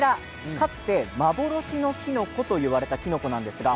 かつて幻のきのこといわれていたきのこです。